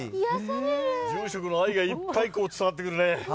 住職の愛がいっぱい伝わってくるね。